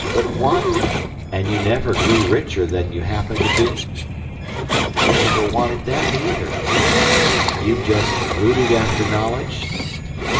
But why—" "And you never grew richer than you happened to be?" "Never wanted that either." "You've just rooted after knowledge?"